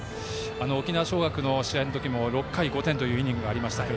沖縄尚学の試合のときの６回、５点というイニングがありました。